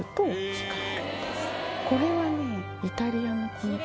これはね。